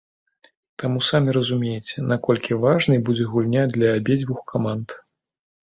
Таму самі разумееце, наколькі важнай будзе гульня для абедзвюх каманд.